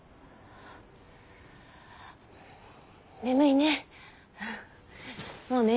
眠いね。